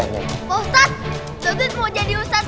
pak ustadz saya mau jadi ustadz